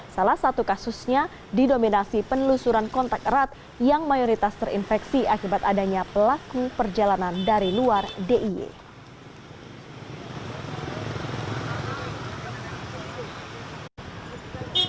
salah satu kasusnya didominasi penelusuran kontak erat yang mayoritas terinfeksi akibat adanya pelaku perjalanan dari luar d i e